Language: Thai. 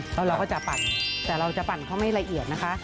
แล้วเราก็จะปั่นแต่เราจะปั่นเขาไม่ละเอียดนะคะ